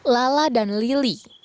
lala dan lili